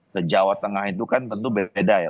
ke jawa tengah itu kan tentu beda ya